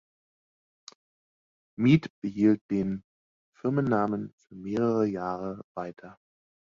Mead behielt den Firmennamen für mehrere Jahre weiter.